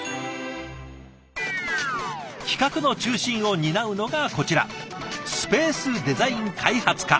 企画の中心を担うのがこちらスペースデザイン開発課。